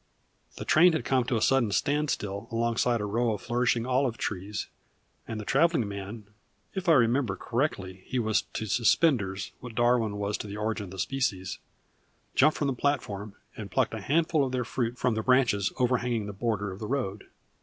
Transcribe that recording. The train had come to a sudden standstill alongside a row of flourishing olive trees, and the traveling man (if I remember correctly he was to Suspenders what Darwin was to the Origin of Species) jumped from the platform and plucked a handful of their fruit from branches overhanging the border of the road.